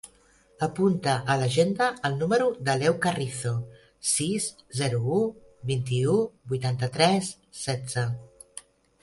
Apunta a l'agenda el número de l'Aleu Carrizo: sis, zero, u, vint-i-u, vuitanta-tres, setze.